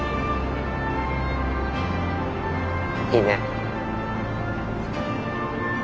いいね。